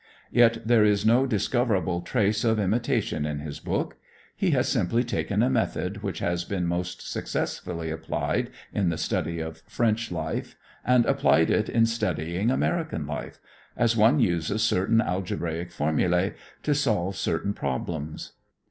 Yet there is no discoverable trace of imitation in his book. He has simply taken a method which has been most successfully applied in the study of French life and applied it in studying American life, as one uses certain algebraic formulae to solve certain problems.